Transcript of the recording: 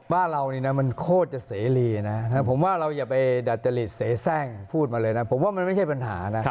บ้านเรานี่นะมันโคตรจะเสรีนะผมว่าเราอย่าไปดัจจริตเสียแทร่งพูดมาเลยนะผมว่ามันไม่ใช่ปัญหานะ